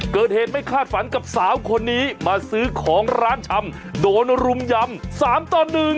เกิดเหตุไม่คาดฝันกับสาวคนนี้มาซื้อของร้านชำโดนรุมยำสามต่อหนึ่ง